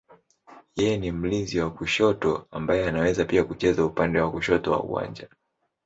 Yeye ni mlinzi wa kushoto ambaye anaweza pia kucheza upande wa kushoto wa uwanja.